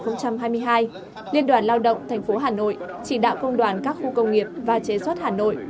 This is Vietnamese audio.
năm hai nghìn hai mươi hai liên đoàn lao động tp hà nội chỉ đạo công đoàn các khu công nghiệp và chế xuất hà nội